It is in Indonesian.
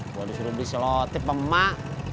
gue disuruh beli slotip emak